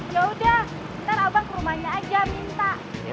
yaudah ntar abang ke rumahnya aja minta